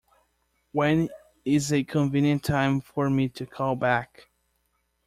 When is a convenient time for me to call back?